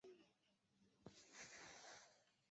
出身于福冈县。